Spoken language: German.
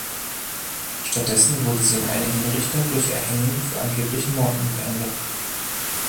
Stattdessen wurde sie in eine Hinrichtung durch Erhängen für angeblichen Mord umgeändert.